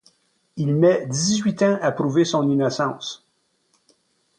Il met dix-huit ans à prouver son innocence.